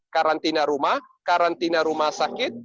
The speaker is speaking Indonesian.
karantina rumah karantina rumah sakit